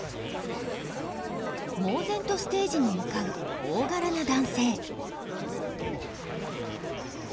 猛然とステージに向かう大柄な男性。